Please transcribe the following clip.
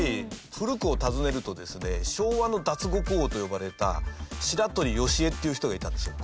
故くを温ねるとですね昭和の脱獄王と呼ばれた白鳥由栄っていう人がいたんですよ。